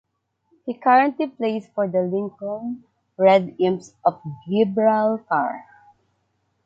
He currently plays for the Lincoln Red Imps of Gibraltar.